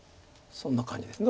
そんな感じです。